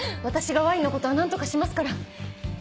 私がワインのことは何とかしますから。